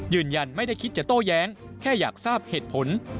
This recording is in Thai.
ยืนยันไม่ได้คิดจะโต้แย้งแค่อยากทราบเหตุผล